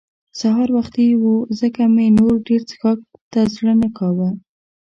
سهار وختي وو ځکه مې نو ډېر څښاک ته زړه نه کاوه.